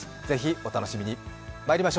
ぜひお楽しみに。